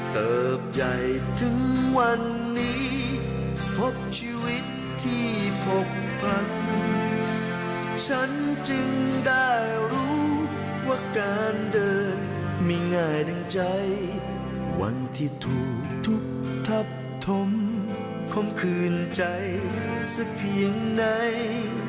ก็ไม่ยากให้ทุกคนชมใจสักเพียงไหน